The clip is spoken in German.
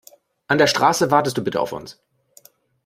An der Straße wartest du bitte auf uns.